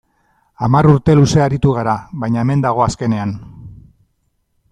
Hamar urte luze aritu g ara, baina hemen dago azkenean.